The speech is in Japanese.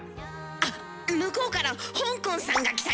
あっ向こうからほんこんさんが来たよ。